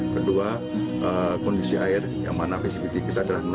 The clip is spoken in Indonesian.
kedua kondisi air yang mana fasibility kita adalah